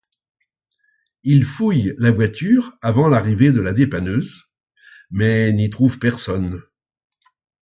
Ils fouillent la voiture avant l'arrivée de la dépanneuse, mais n'y trouvent personne.